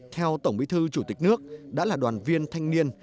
theo tổng bí thư chủ tịch nước đã là đoàn viên thanh niên